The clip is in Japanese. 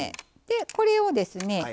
でこれをですね